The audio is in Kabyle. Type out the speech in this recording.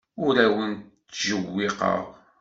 Ur awent-ttjewwiqeɣ.